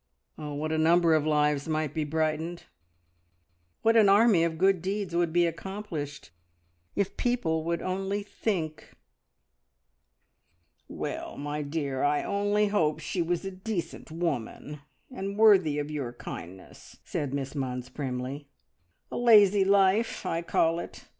Oh, what a number of lives might be brightened, what an army of good deeds would be accomplished if people would only "think!" "Well, my dear, I only hope she was a decent woman, and worthy of your kindness," said Miss Munns primly. "A lazy life, I call it.